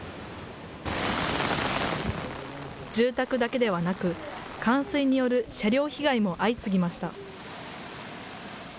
住宅だけではなく、冠水による車両被害も相次ぎました。